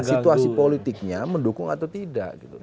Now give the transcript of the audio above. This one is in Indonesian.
situasi politiknya mendukung atau tidak